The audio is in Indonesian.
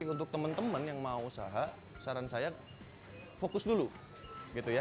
untuk teman teman yang mau usaha saran saya fokus dulu gitu ya